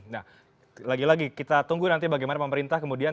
nah lagi lagi kita tunggu nanti bagaimana pemerintah kemudian